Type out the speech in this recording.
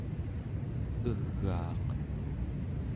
egaaq